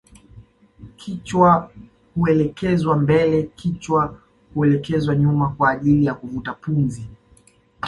Kichwa huelekezwa mbele kichwa huelekezwa nyuma kwa ajili ya kuvuta pumzi